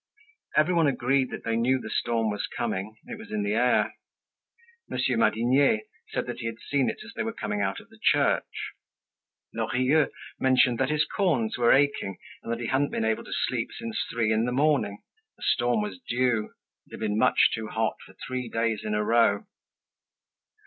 Everyone agreed that they knew the storm was coming. It was in the air. Monsieur Madinier said that he had seen it as they were coming out of the church. Lorilleux mentioned that his corns were aching and he hadn't been able to sleep since three in the morning. A storm was due. It had been much too hot for three days in a row.